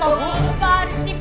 tunggu tunggu tunggu